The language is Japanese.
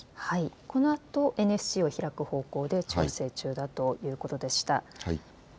このあとＮＳＣを開く方向で調整中だということでした。